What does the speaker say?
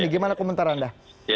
gimana komentar anda